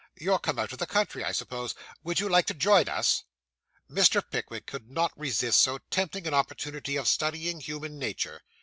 You're come out of the country, I suppose. Would you like to join us?' Mr. Pickwick could not resist so tempting an opportunity of studying human nature.